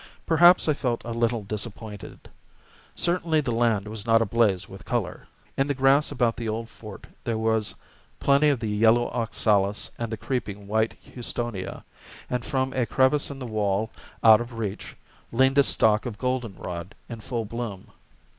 Perhaps I felt a little disappointed. Certainly the land was not ablaze with color. In the grass about the old fort fhere was plenty of the yellow oxalis and the creeping white houstonia; and from a crevice in the wall, out of reach, leaned a stalk of goldenrod in full bloom.